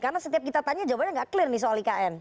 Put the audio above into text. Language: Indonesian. karena setiap kita tanya jawabannya nggak clear nih soal ikn